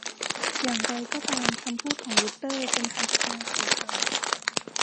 อย่างไรก็ตาม คำพูดของวูสเตอร์เป็นพันธการของเขา